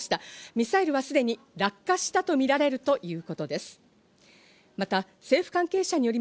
ミサイルはすでに落下したとみられるということです。